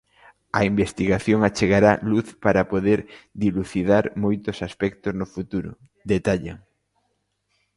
A investigación achegará luz para poder dilucidar moitos aspectos no futuro, detallan.